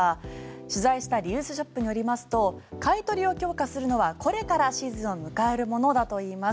取材したリユースショップによりますと買い取りを強化するのはこれからシーズンを迎えるものだといいます。